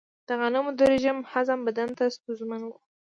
د غنمو د رژیم هضم بدن ته ستونزمن و.